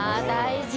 大事！